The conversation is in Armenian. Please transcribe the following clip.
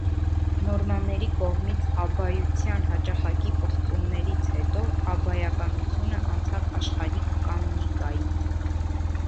Նորմանների կողմից աբբայության հաճախակի պղծումներից հետո՝ աբբայականությունը անցավ աշխարհիկ կանոնիկայի։